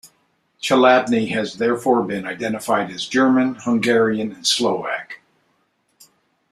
Chladni has therefore been identified as German, Hungarian and Slovak.